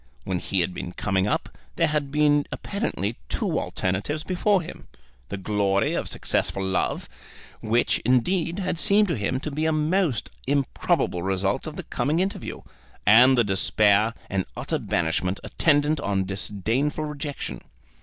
When he had been coming up, there had been apparently two alternatives before him: the glory of successful love, which, indeed, had seemed to him to be a most improbable result of the coming interview, and the despair and utter banishment attendant on disdainful rejection.